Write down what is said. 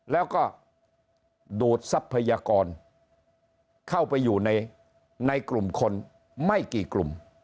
แล้วก็ดูดทรัพยากรเข้าไปอยู่ในกลุ่มคนไม่กี่กลุ่ม